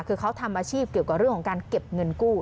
คือเขาทำอาชีพเกี่ยวกับเรื่องของการเก็บเงินกู้